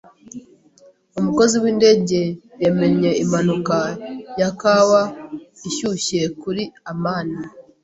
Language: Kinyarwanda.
Umukozi windege yamennye impanuka ya Kawa ishyushye kuri amani.